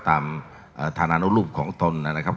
ธานานุรูปของตนนะครับ